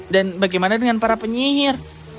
dan bagaimana dengan para penyihir